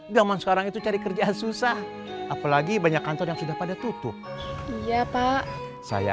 zaman sekarang itu cari kerjaan susah apalagi banyak kantor yang sudah pada tutup iya pak saya